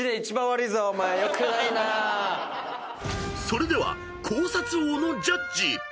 ［それでは考察王のジャッジ］